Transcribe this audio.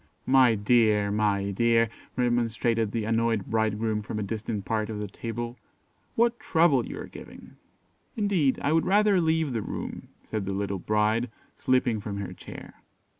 "My dear, my dear!" remonstrated the annoyed bridegroom from a distant part of the table; "what trouble you are giving." "Indeed, I would rather leave the room," said the little bride, slipping from her chair.